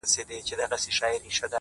o زيرى د ژوند،